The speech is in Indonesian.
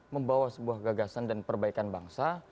membawa sebuah gagasan dan perbaikan bangsa